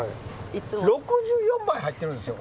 ６４枚入ってるんですよ